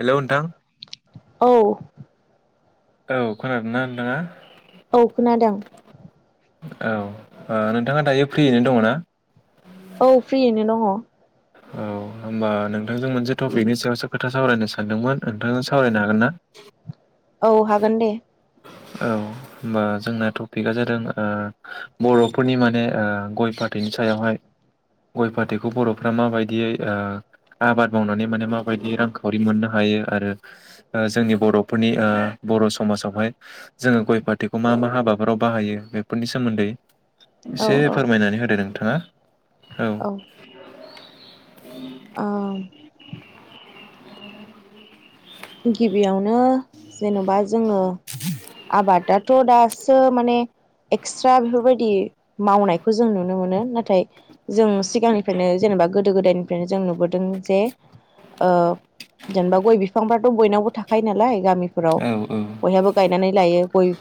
हेल' नोंथां? औ औ खोनादोंना नोंथाङा? औ खोनादों। औ ओ नोंथाङा दायो फ्रियैनो दङ ना? औ फ्रियैनो दङ। औ। होनबा नोंथांजों मोनसे टपिकनि सायावसो खोथा सावरायनो सानदोंमोन, नोंथांजों सावरायनो हागोन ना? औ हागोन दे। औ होमबा जोंना टपिकआ जादों बर'फोरनि माने ओ गय फाथैनि सायावहाय गय फाथैखौ बर'फ्रा माबायदियै ओ आबाद मावनानै माने माबायदि रांखावरि मोननो हायो आरो जोंनि बर'फोरनि ओ बर' समाजावहाय जोङो गय फाथैखौ मा मा हाबाफोराव बाहायो बेफोरनि सोमोन्दै औ एसे औ फोरमायनानै होदो नोंथाङा। औ। औ। गिबियावनो जेन'बा जोङो आबादा थ' दासो माने एक्सट्रा बेफोरबायदि मावनायखौ जों नुनो मोनो नाथाय जों सिगांनिफ्रायनो जेने बा गोदो गोदायनिफ्रायनो जों नुबोदों जे ओ जेनेबा गय बिफांफ्राथ' बयनावबो थाखायो नालाय गामिफोराव औ औ बयहाबो गायनानै लायो गय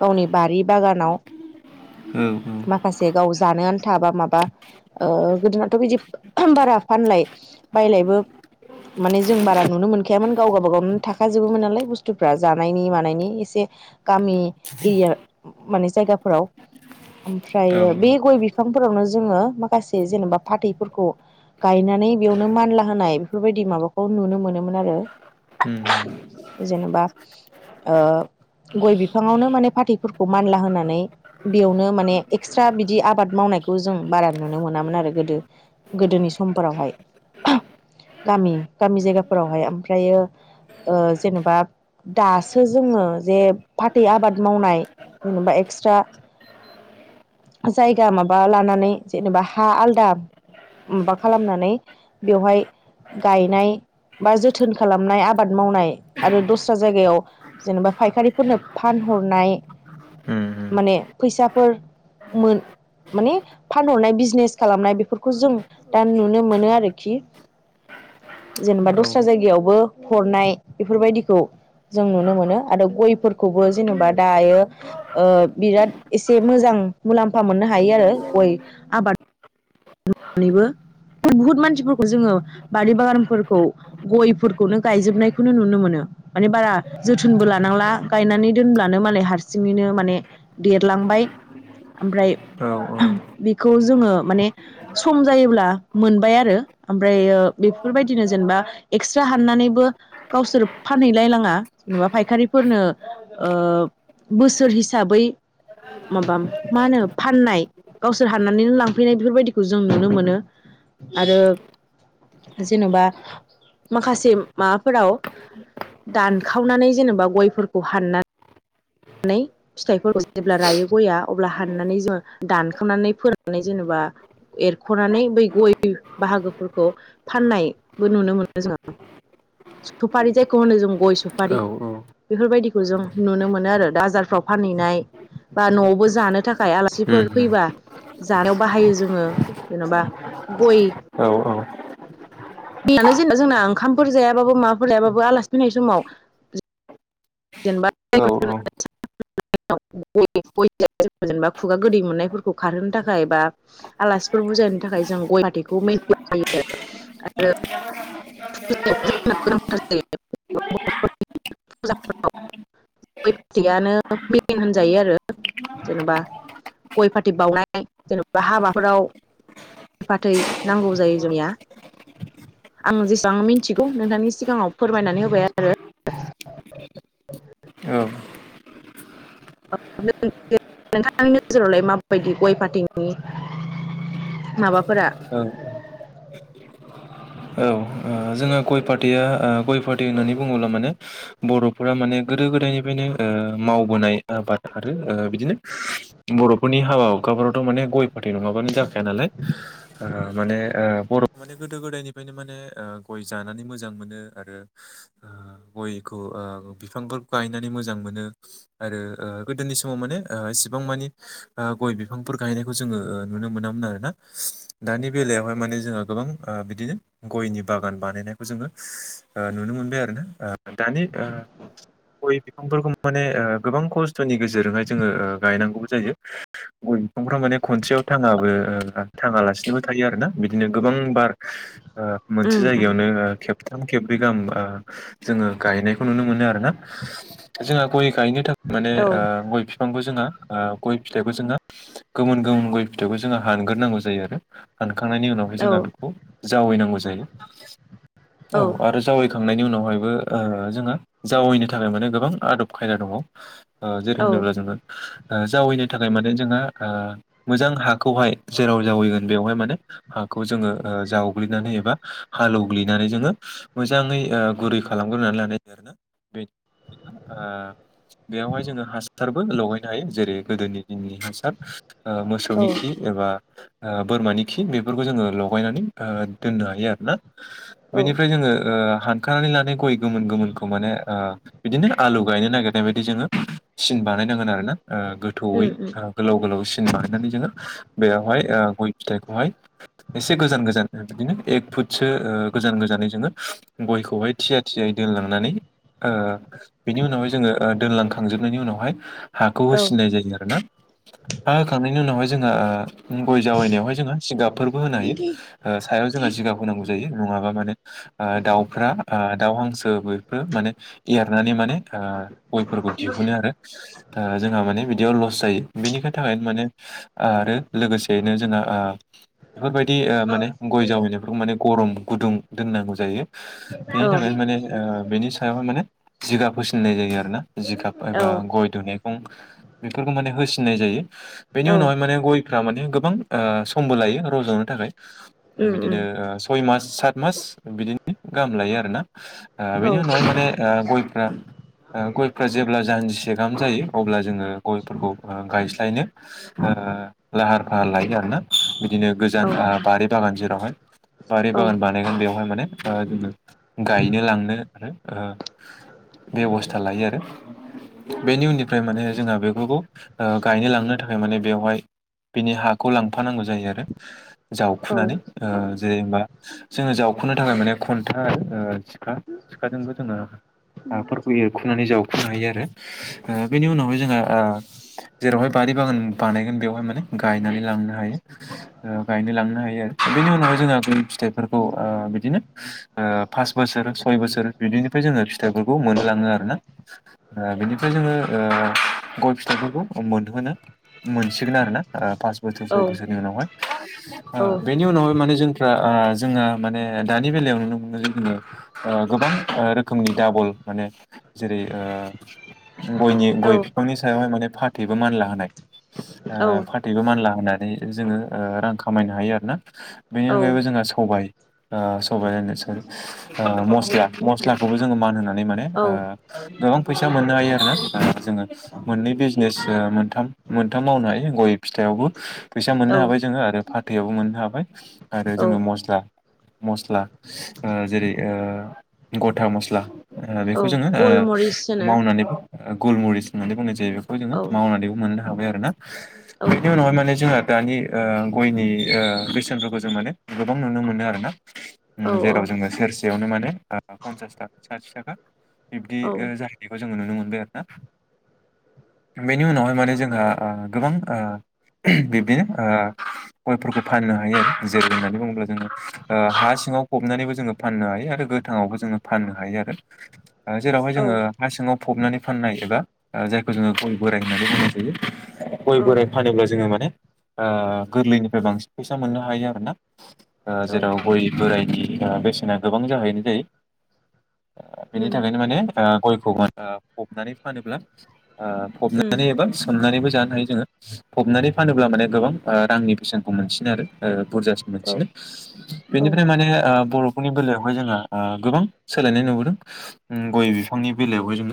गावनि बारि बागानाव औ माखासे गाव जानो आन्था बा माबा ओ गोदोनाथ' बिदि बारा फानलाय बायलायबो माने जों बारा नुनो मोन खायामोन गाव गाबागाव थाखाजोबोमोन नालाय बुस्थुफ्रा जानायनि मानायनि एसे गामि एरिया माने जायगाफोराव। औ उम ओमफ्रायो बे गय बिफांफोरावनो जोङो माखासे जेनेबा फाथैफोरखौ गायनानै बेयावनो मानला होनाय बेफोरबायदि माबाखौ नुनो मोनोमोन आरो। होम। जेनेबा ओ गय बिफाङावनो माने फाथैफोरखौ मानला होनानै बेयावनो माने एक्सट्रा बिदि आबाद माव नायखौ जों बारा नुनो मोनामोन आरो गोदो गोदोनि समफोरावहाय। गामि गामि जायगाफोरावहाय ओमफ्रायो ओ जेनेबा दासो जोङो जे फाथै आबाद मावनाय जेनेबा एक्सट्रा जायगा माबा लानानै जेनेबा हा आलदा माबा खालामनानै बेवहाय गायनाय बा जोथ थोन खालामनाय आबाद मावनाय आरो दस्रा जायगायाव जेनेबा फायखारिफोरनो फानहरनाय [inaudible] माने फैसाफोर मोन माने फानहरनाय बिजनेस खालामनाय बेफोरखौ जों दा नुनो मोनो आरोखि जेनेबा औ दस्रा जायगायावबो हरनाय बेफोरबायदिखौ जों नुनो मोनो आरो गयफोरखौबो जेनेबा दायो ओ बिराद एसे मोजां मुलाम्फा मोननो हायो आरो गय आबाद मावनानैबो बुहुत मानसिफोरखौ जोङो बारि बागानफोरखौ गयफोरखौनो गायजोबनायखौनो नुनो मोनो। माने बारा जोथोनबो लानांला गायनानै दोनब्लानो मालाय हारसिङैनो माने देरलां बाय ओमफ्राय औ बिखौ जोङो माने सम जायोब्ला मोनबाय आरो ओमफ्रायो बेफोरबायदिनो जेनेबा एक्सट्रा हानना नानैबो गावसोर फानहैलायलाङा जेनेबा फायखारिफोरनो ओ बोसोर हिसाबै माबा मा होनो फाननाय गावसोर हाननानैनो लांफैनाय बेफोरबायदि खौ जों नुनो मोनो आरो जेन'बा माखासे माबाफोराव दानखावनानै जेनेबा गयफोरखौ हानना नानै फिथाइफोरखौ जेब्ला रायो गया अब्ला हाननानै जोङो दानखावनानै फोराननानै जेनेबा बा एरख'नानै बै गय बाहागोफोरखौ फाननायबो नुनो मोनो जोङो सुफारि जायखौ होनो जों गय सुफारि औ उम बेफोरबायदिखौ जों नुनो मोनो आरो। बाजारफ्राव फानहैनाय बा न'आवबो जानो थाखाय आलासिफोर उम फैबा औ जानायाव बाहायो जोङो। जेन'बा गय औ औ बेनो जेनबा जोंना ओंखामफोर जायाबाबो माबाफोर जायाबाबो आलासि फैनाय समाव जेनेबा औ [unintelligible] जेनेबा खुगा गोदै मोननायफोरखौ खारहोनो थाखाय बा आलासिफोर बुजायनो थाखाय जों गय फाथैखौ [unintelligible] आरो [unintelligible] [unintelligible] गोनथार जायो बरफोरनि फुजाफोराव [unintelligible] मेइन होनजायो आरो जेनेबा गय फाथै बाउनाय जेनेबा हाबाफोराव फाथै नांगौ जायो जोंनिया। आं जेसेबां मिथिगौ नोंथांनि सिगाङाव फोरमायनानै होबाय आरो। [unintelligible] नोंथांनि नोजोरावलाय माबायदि गय फाथैनि माबाफोरा औ ओ जोंङो गय फाथैया ओ गय फाथै होननानै बुङोब्ला माने बर'फोरा माने गोदो गोदायनिफ्रायनो ओ मावबोनाय आबाद आरो ओ बिदिनो बर'फोरनि हाबा हुखाफोरावथ' माने गय फाथै नङाबानो जाखाया नालाय ओ माने बर' माने गोदो गोदायनिफ्रायनो माने गय जानानै मोजां मोनो आरो ओ गयखौ ओ बिफांफोर गायनानै मोजां मोनो मोनो आरो ओ गोदोनि समाव माने ओ इसिबां मानि ओ गय बिफांफोर गायनायखौ जोङो नुनो मोनामोन आरोना। दानि बेलायावहाय माने जोंङो गोबां ओ बिदि गयनि बागान बानायनायखौ जोङो ओ नुनो मोनबाय आरो दानि ओ गय बिफांफोरखौ माने ओ गोबां खस्थ'नि गेजेरजोंहाय जोङो गायनांगौ जायो। गय बिफांफ्रा माने खनसेयाव थाङाबो थाङालासिनोबो थायो आरोना बिदिनो गोबां बार‌ ओ मोनसे उम उम जायगायावनो खेबथाम खेब ब्रै गाहाम जोङो गायनायखौ नुनो मोनो आरो ना जोङो गय गायनो थाखाय माने औ ओ गय बिफांखो जोङो ओ गय फिथाइखौ जोङो गोमोन गोमोन गय फिथाइखौ जोङो हानग्रोनांगौ जायो आरो । हानखांनायनि उनाव जोङो बेखौ जावायनांगौ जायो औ आरो जावायखां गायखांनायनि उनावहायबो ओ जोङो जावायनो थाखाय माने गोबां आदब खायदा दङ। ओ जेरै औ होनोब्ला जोङो ओ जावैनो थाखाय माने जोंहा ओ मोजां हाखौहाय जेराव जावायगोन बेवहाय माने खौ जोङो ओ जावग्लिनानै एबा हालौग्लिनानै जोङो मोजाङै ओ गुरै खालामग्रोनानै लानाय जायो‌ आरो‌ना । ओ बेवहाय जोङो हासारबो लगायनो हायो जेरै गोदोनि दिननि हासार। ओ औ मोसौनि खि एबा ओ बोरमानि खि बेफोरखौ जोङो लगायनानै ओ दोननो हायो आरोना। औ बेनिफ्राय जोङो ओ हानखानानै लानाय गय गोमोन गोमोनखौ माने ओ बिदिनो आलु गायनो नागिरनाय बायदि जोङो सिन बानायनांगोन आरो ना ओ गोथौयै उम उम ओ गोलाव गोलावै बानायनानै जोङो बेयावहाय गय ओ फिथाइखौहाय एसे गोजान गोजान बिदिनो एक फुटसो ओ गोजान गोजानै जोङो गयखौहाय थिया थियायै दोनलांनानै ओ बेनि उनावहाय जोङो ओ दोनलांखांजोबनायनि उनावहाय हाखौ औ होसिननाय जायो आरो ना हा होखांनायनि उनावहाय जोङो ओ गय जावैनायावहाय जोङो जिगाबफोरबो होनो हायो ओ सायाव जोङो जिगाब होनांगौ जायो नङाबा माने ओ दाउफ्रा ओ दाउ हांसो बेफोर माने एरनानै माने ओ गयफोरखौ दिहुनो आरो। ओ जोंहा माने बिदियाव लस जायो बिनिख थाखायनो माने ओ आरो लोगोसेयैनो जोङा ओ बेफोरबायदि ओ माने गय जावैनायफोरखौ माने गरम गुदुं दोननांगौ जायो। बेनि थाखायनो माने ओ बेनि सायाव माने जिगाब होसिननाय जायो आरोना। जिगाब औ एबा गय दनाखौ बेफोरखौ माने होसिननाय जायो बेनि औ उनावहाय माने गय फोरा माने गोबां ओ समबो लायो रज'नो थाखाय उम। बिदिनो सय मास सात मास बिदिनो गाहाम लायो आरोना। ओ बेनि उनावहाय माने ओ गयफोरा ओ गयखौ जेब्ला जानजिसे गाहाम जायो अब्ला जोङो गयफोरखौ ओ गायस्लायनो ओ ओ लाहार फाहार लायो आरोना बिदिनो गोजान बारि बागान जेरावहाय बारि बागान बानायगोन बेवहाय माने ओ जोङो गायनो लांनो आरो ओ बेब'स्था लायो आरो। बेनि उननिफ्राय माने जोंहा बेफोरखौ ओ गायनो लांनो थाखाय माने बेवहाय बिनि हाखौ लांफानांगौ जायो आरो जावखुनानै। ओ जेनेबा जोङो जावखुनो थाखाय माने खन्था ओ सिखा सिखाजोंबो जोङो हाफोरखौ एरखुनानै जावखुनो हायो ओ बेनि उनावहाय जोङो ओ जेरावहाय बारि बागान बानायगोन बेवहाय माने गायनानै लांनो हायो ओ गायनो लांनो हायो आरो। बेनि उनावहाय जोंहा बिनि फिथाइफोरखौ ओ बिदिनो ओ पास बोसोर सय बोसोर बिनिफ्राय जोङो फिथाइफोरखौ मोनहोलाङो आरोना ओ बेनिफ्राय जोङो ओ गय फिथाइफोरखौ मोनहोनो मोनसिगोन आरो ना ओ पास बोसोर से बोसोर नै उनावहाय ओ बेनि उनावहाय माने जों फोरा ओ जोंहा माने दानि बेलायाव नुनो मोनो जे जोङो ओ गोबां ओ रोखोमनि दाबल माने जेरै ओ गयनि गय बिफांनि सायावहाय माने फाथैबो मानला होनाय‌ ओ फाथैबो मानला होनाय जोङो ओ रां खामायनो हायो आरोना बेनि अनगायैबो जोंहा सबाय ओ सबायनो स'रि मस्ला मस्लाखौबो जोङो मान होनां नानै माने ओ गोबां फैसा मोननो हायो आरोना ओ जोङो मोननै बिजनेस ओ मोनथाम मोनथाम मावनो हायो गय फिथाइ आवबो फैसा मोननो हाबाय जोङो आरो फाथैआवबो मोननो हाबाय आरो जोङो मस्ला मस्ला ओ जेरै ओ गथा मस्ला ओ बेखौ बेखौ जोङो गलमरिस ओ होनो मावनानैबो गलमरिस होननानै बुंनाय जायो। बेखौ जोङो औ मावनानैबो मोननो हा बाय आरोना औ बेनि उनावहाय माने जोंहा दानि ओ गयनि ओ बेसेनफोरखौ जों माने गोबां नुनो मोनो आरो ना। औ उम जेराव जोङो सेरसेयावनो माने ओ पनसास थाखा साथि थाखा बिबदि जाहैनायखौ जोङो नुनो मोनबाय आरो ना। बेनि उनावहाय माने जोंहा ओ गोबां ओ बिब्दिनो ओ गयफोरखौ फाननो हायो जेरै होननानै बुङोब्ला जोङो ओ हा सिङाव फबनानैबो जोङो फाननो हायो आरो गोथाङावबो जों फाननो हायो आरो जेरावहाय औ जोङो हासिङाव फबनानै फाननाय एबा जायखौ जोङो गय बोराइ होननानै बुंनाय जायो गय औ बोराइ फानोब्ला जोङो माने ओ गोरलैनिफ्राय बांसिन फैसा मोननो हायो आरो ना ओ औ जेराव गय बोराइनि ओ बेसेना गोबां जाहैनो जायो। बेनि उम थाखायनो माने ओ गयखौ ओ फबनानै फानोब्ला ओ उम फबनानै एबान्स- हमनानैबो जानो हायो जोङो फबनानै फानोब्ला माने गोबां ओ रांनि बेसेनखौ मोनसि नो आरो ओ औ बुरजासिन औ बेनिफ्राय माने ओ बर' फोरनि बेलायावहाय जोंहा ओ गोबां सोलायनाय नुबोदों उम गय बिफांनि बेलायावहाय जों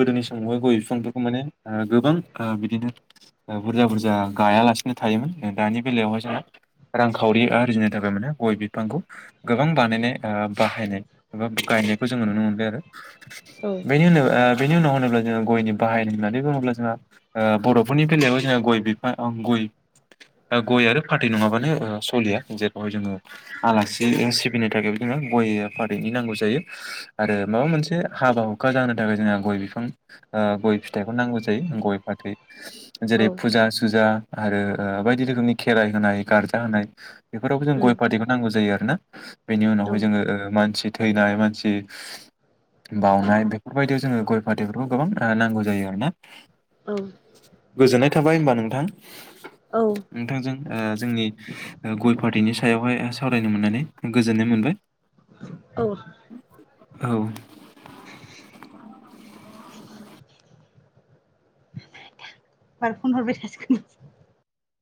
गोदोनि समावहाय गय बिफांफोरखौ माने ओ गोबां ओ बिदिनो ओ बुरजा बुरजा गायालासिनो था थायोमोन जों दानि बेलायावहाय जोंहा रांखावरि आरजिनो थाखाय माने गय बिफांखौ गोबां बानायनाय ओ बाहायनाय गायनायखौ जोङो नुनो मोनबाय आरो औ उम बेनि बेनि उनाव होनोब्ला जों गयनि बाहाय होननानै बुङोब्ला जोंहा ओ बर'फोरनि बेलायावबो जो गय बिफां गय ओ गय आरो फाथै नङाबानो ओ सलिया जेरावहाय जोङो आलासि सिबिनो थाखायबो जोङो गय फाथैनि नांगौ जायो आरो माबा मोनसे हाबा हुखा जानो थाखाय जोंहा गय बिफां ओ गय फिथाइखौ नांगौ जायो गय फाथै। जेरै फुजा सुजा आरो बायदि रोखोमनि खेराइ होनाय गारजा होनाय। बेफोरावबो जों गय फाथैखौ नांगौ जायो ।आरोना बेनि औ उनावहाय जोङो ओ मानसि थैनाय मानसि बाउनाय बेफोरबायदियाव जोङो गय फाथैफोरखौ गोबां नांगौ जायो आरोना। औ गोजोन्नाय थाबाय होनबा नोंथां। औ नोंथांजों ओ जोंनि ओ गय फाथैनि सायावहाय सावरायनो मोननानै गोजोननाय मोनबाय। औ औ बार फन हरबाय थासिगोन [inaudible]